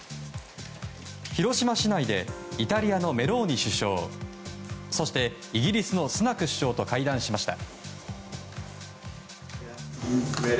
広島市内でイタリアのメローニ首相そして、イギリスのスナク首相と会談しました。